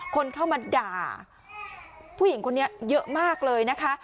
คนเข้ามาด่าผู้หญิงคนนี้เยอะมากเลยนะคะ